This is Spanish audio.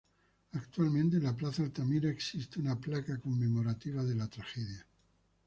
Actualmente en la Plaza Altamira existe una placa conmemorativa de la tragedia.